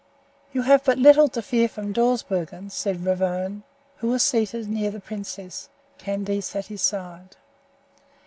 "You have but little to fear from Dawsbergen," said Ravone, who was seated near the princess. Candace at his side.